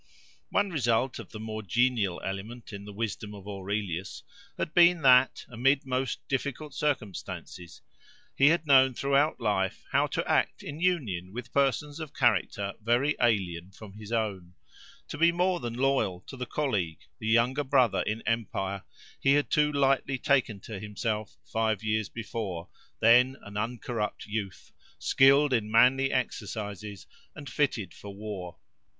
One result of the more genial element in the wisdom of Aurelius had been that, amid most difficult circumstances, he had known throughout life how to act in union with persons of character very alien from his own; to be more than loyal to the colleague, the younger brother in empire, he had too lightly taken to himself, five years before, then an uncorrupt youth, "skilled in manly exercises and fitted for war."